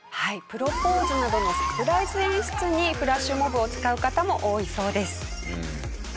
プロポーズなどのサプライズ演出にフラッシュモブを使う方も多いそうです。